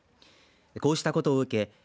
こうしたことを受け